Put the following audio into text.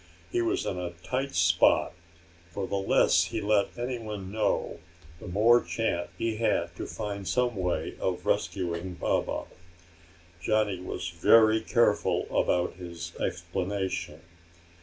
He was in a tight spot, for the less he let anyone know, the more chance he had to find some way of rescuing Baba. Johnny was very careful about his explanation.